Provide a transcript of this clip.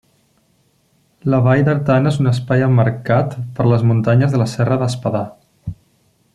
La Vall d'Artana és un espai emmarcat per les muntanyes de la Serra d'Espadà.